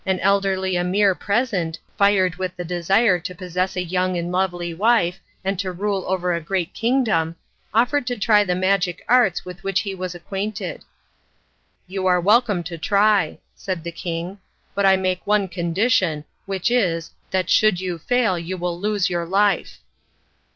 An elderly emir present, fired with the desire to possess a young and lovely wife and to rule over a great kingdom, offered to try the magic arts with which he was acquainted. "You are welcome to try," said the king, "but I make one condition, which is, that should you fail you will lose your life."